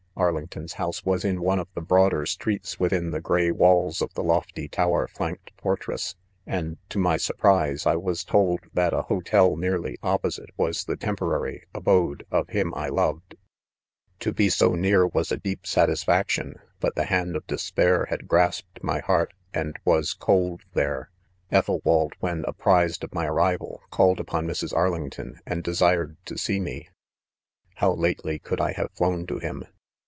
* Arlington 5 s house was in one of the. broad er streets within the gray walls of the lofty tower flanked fortress, and to my surprise, 1 was told that a hotel nearly opposite was the temporary abode of him I loFed. THE CONFESSIONS. 137 c To "be so near was. a deep satisfaction, "but the hand of despair had grasped my heart, and was cold there. 1 Ethelwald, when apprised of my arrival, called upon Mrs. Arlington, and desired to see me. How lately could I have ilown to him